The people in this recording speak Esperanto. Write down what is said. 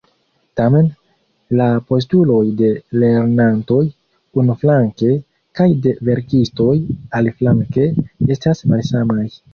Tamen, la postuloj de lernantoj, unuflanke, kaj de verkistoj, aliflanke, estas malsamaj.